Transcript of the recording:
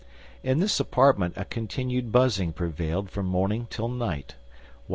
In this apartment a continued buzzing prevailed from morning till night, while M.